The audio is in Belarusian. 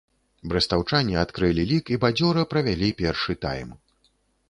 Брэстаўчане адкрылі лік і бадзёра правялі першы тайм.